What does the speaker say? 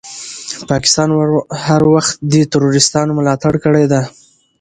پاکستان هر وخت دي تروريستانو ملاتړ کړی ده.